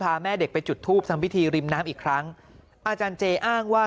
แม่เด็กไปจุดทูปทำพิธีริมน้ำอีกครั้งอาจารย์เจอ้างว่า